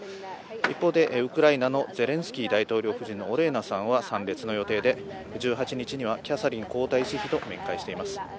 一方でウクライナのゼレンスキー大統領夫人のオレーナさんは参列の予定で、１８日にはキャサリン皇太子妃と面会しています。